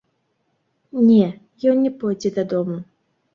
Не, ён не пойдзе дадому.